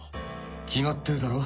決まってるだろ